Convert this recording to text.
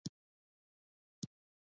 په عصري وسلو مو سمبالولای سوای.